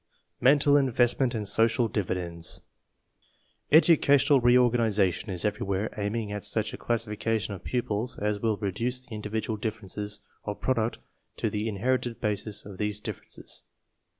MENTAL INVESTMENT AND SOCIAL DIVIDENDS Educational reorganization is everywhere aiming at such a classification of pupils as will reduce the individ ual differences of product to the inherited bases of these differences.